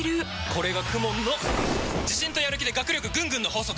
これがＫＵＭＯＮの自信とやる気で学力ぐんぐんの法則！